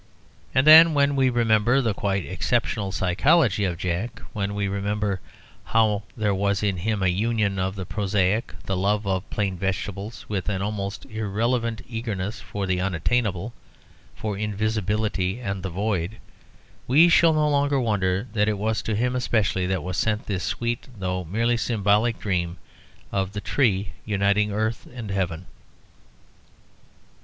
And then, when we remember the quite exceptional psychology of Jack, when we remember how there was in him a union of the prosaic, the love of plain vegetables, with an almost irrelevant eagerness for the unattainable, for invisibility and the void, we shall no longer wonder that it was to him especially that was sent this sweet, though merely symbolic, dream of the tree uniting earth and heaven."